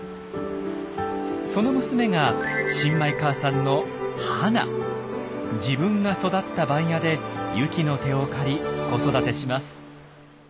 その娘が自分が育った番屋でユキの手を借り子育てします。